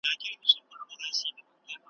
خدایه بیا به کله وینم خپل رنګین بیرغ منلی `